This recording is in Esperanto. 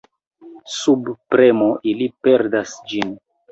Sub premo ili perdas ĝin.